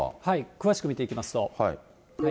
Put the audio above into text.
詳しく見ていきますと。